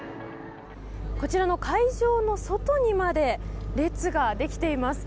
こちらの会場の外にまで列ができています。